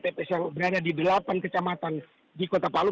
seribu tujuh puluh lima tps yang berada di delapan kecamatan di kota palu